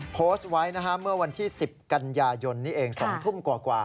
โพสต์ไว้เมื่อวันที่๑๐กันยายน๒ทุ่มกว่า